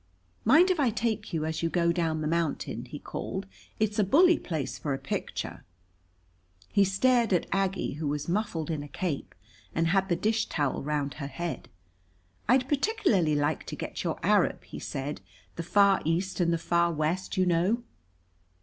"Mind if I take you as you go down the mountain?" he called. "It's a bully place for a picture." He stared at Aggie, who was muffled in a cape and had the dish towel round her head. "I'd particularly like to get your Arab," he said. "The Far East and the Far West, you know."